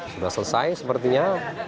sudah selesai sepertinya